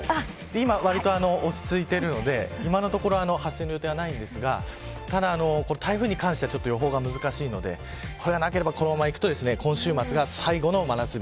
今は落ち着いているので今のところ発生の予定はないんですがただ、台風に関しては予報が難しいのでそれがなければ、このままいくと今週末が最後の真夏日。